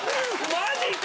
マジか！